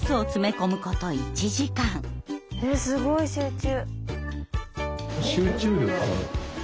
すごい集中。